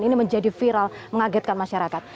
ini menjadi viral mengagetkan masyarakat